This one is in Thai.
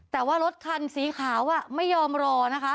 แต่ว่ารถคันสีขาวไม่ยอมรอนะคะ